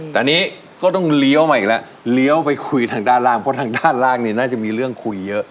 แต่อันนี้ก็ต้องเลี้ยวมาอีกแล้วเลี้ยวไปคุยทางด้านล่างเพราะทางด้านล่างเนี่ยน่าจะมีเรื่องคุยเยอะ